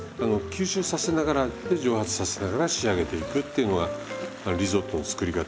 吸収させながらで蒸発させながら仕上げていくっていうのがリゾットの作り方。